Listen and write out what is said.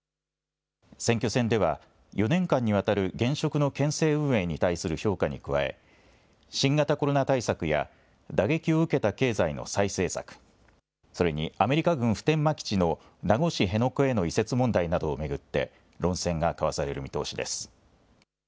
選挙戦では４年間にわたる現職の県政運営に対する評価に加え、新型コロナ対策や打撃を受けた経済の再生策、それにアメリカ軍普天間基地の名護市辺野古への移設問題などを巡って論戦が交わされる見通しです。